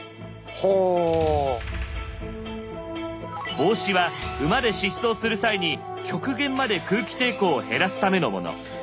帽子は馬で疾走する際に極限まで空気抵抗を減らすためのもの。